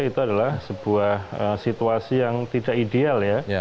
itu adalah sebuah situasi yang tidak ideal ya